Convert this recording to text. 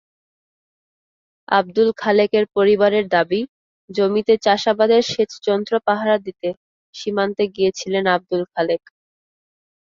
আবদুল খালেকের পরিবারের দাবি, জমিতে চাষাবাদের সেচযন্ত্র পাহারা দিতে সীমান্তে গিয়েছিলেন আবদুল খালেক।